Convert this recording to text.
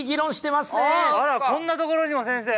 あらこんなところにも先生！